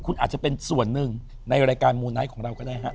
คุณอาจจะเป็นส่วนหนึ่งในรายการมูไนท์ของเราก็ได้ฮะ